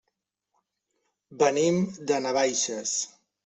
Venim de Navaixes.